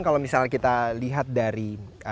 kalau misalnya kita lihat dari